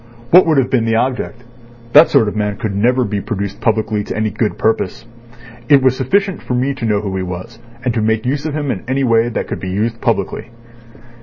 What would have been the object? That sort of man could never be produced publicly to any good purpose. It was sufficient for me to know who he was, and to make use of him in a way that could be used publicly."